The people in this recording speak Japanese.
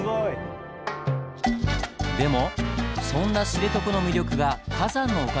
でもそんな知床の魅力が火山のおかげってどういう事？